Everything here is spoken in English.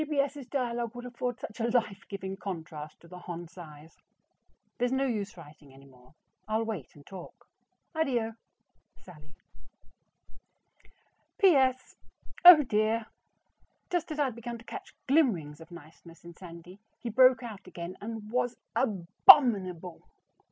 G. B. S.'s dialogue would afford such a life giving contrast to the Hon. Cy's. There's no use writing any more; I'll wait and talk. ADDIO. SALLIE. P.S. Oh dear! just as I had begun to catch glimmerings of niceness in Sandy, he broke out again and was ABOMINABLE.